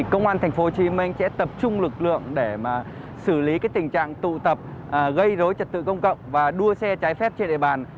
công an tp hcm sẽ tập trung lực lượng để xử lý tình trạng tụ tập gây rối trật tự công cộng và đua xe trái phép trên địa bàn